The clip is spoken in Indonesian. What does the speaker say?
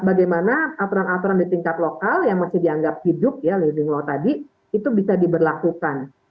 bagaimana aturan aturan di tingkat lokal yang masih dianggap hidup ya living law tadi itu bisa diberlakukan